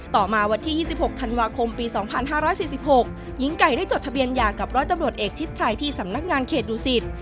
ต่อมาวันที่๒๖ธันวาคมปี๒๕๔๖หญิงไก่ได้จดทะเบียนหย่ากับร้อยตำรวจเอกชิดชัยที่สำนักงานเขตดูสิต